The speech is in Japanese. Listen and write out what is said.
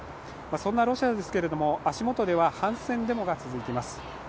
そんなロシアですけれども、足元では反戦デモが続いています。